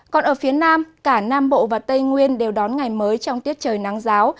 còn ở phía nam cả nam bộ và tây nguyên đều đón ngày mới trong tiết trời nắng giáo